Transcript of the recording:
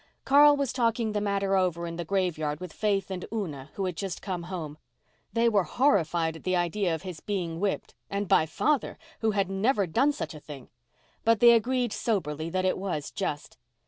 Carl was talking the matter over in the graveyard with Faith and Una, who had just come home. They were horrified at the idea of his being whipped—and by father, who had never done such a thing! But they agreed soberly that it was just.